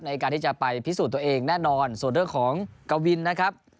ในการที่จะไปพิสูจน์ตัวเองแน่นอนส่วนเรื่องของกวินนะครับ